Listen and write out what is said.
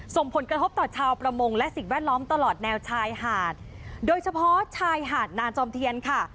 ส่งผลกระทบต่อชาวประมงและสิ่งแวดล้อมตลอดแนวชายหาดโดยเฉพาะชายหาดนามจอมเทียนค่ะ